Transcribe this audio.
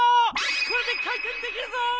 これでかいてんできるぞ！